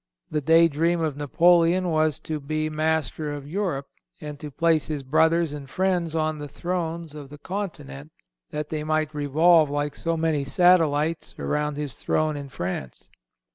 The day dream of Napoleon was to be master of Europe, and to place his brothers and friends on the thrones of the continent, that they might revolve, like so many satellites, around his throne in France.